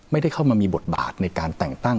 ไม่ได้เข้ามามีบทบาทในการแต่งตั้ง